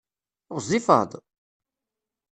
Ɣezzifeḍ?